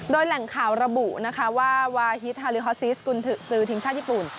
โดยแหล่งข่าวระบุนะคะว่าวาฮิตฮาริฮอซิสกุลเถอะซื้อทีมชาติญี่ปุ่น